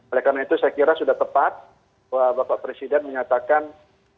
oleh karena itu saya kira sudah tepat bapak presiden menyatakan agar pasiennya digratiskan